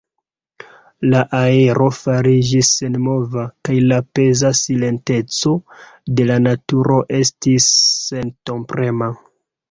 La aero fariĝis senmova, kaj la peza silenteco de la naturo estis sentoprema.